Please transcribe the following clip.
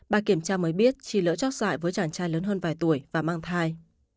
bà kiểm tra mới biết chị lỡ chóc dại với chàng trai lớn hơn vài tuổi và mang thai